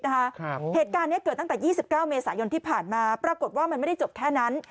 เหตุการณ์นี้เกิดตั้งแต่๒๙เมษายนที่ผ่านมาปรากฏว่ามันไม่ได้จบแค่นั้น